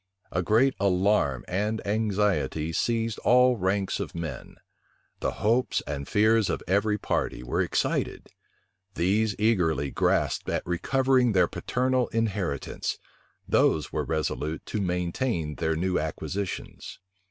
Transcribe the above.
A great alarm and anxiety seized all ranks of men: the hopes and fears of every party were excited: these eagerly grasped at recovering their paternal inheritance; those were resolute to maintain their new acquisitions.